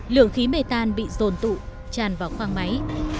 lượng khí mê tan bị rồn tụ tràn vào khoang máy